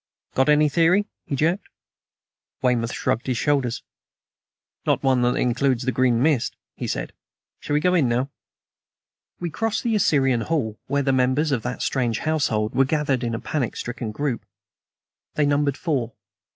"Got any theory?" he jerked. Weymouth shrugged his shoulders. "Not one that includes the green mist," he said. "Shall we go in now?" We crossed the Assyrian hall, where the members of that strange household were gathered in a panic stricken group. They numbered four.